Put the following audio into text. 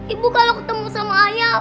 ibu kalau ketemu sama ayah